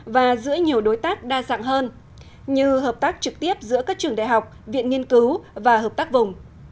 và giữa nhiều đối tác đa dạng hơn như hợp tác trực tiếp giữa các trường đại học viện nghiên cứu và hợp tác vùng